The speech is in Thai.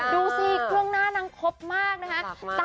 ดูสิเครื่องหน้านางครบมากนะคะ